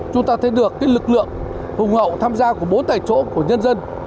chúng ta thấy được lực lượng hùng hậu tham gia của bốn tại chỗ của nhân dân